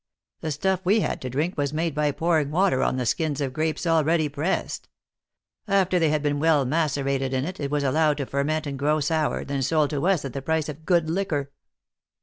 The stuff we had to drink was made by pouring water on the skins of grapes already pressed. After they had been well macerated in it, it was allowed to fer ment and grow sour, then sold to us at the price of good liquor."